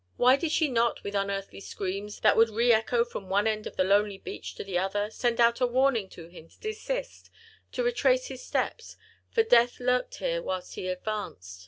Why did she not with unearthly screams, that would re echo from one end of the lonely beach to the other, send out a warning to him to desist, to retrace his steps, for death lurked here whilst he advanced?